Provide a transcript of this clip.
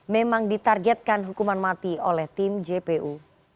memang ditargetkan hukuman mati oleh tim jpu